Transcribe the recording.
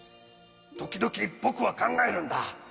時々僕は考えるんだ。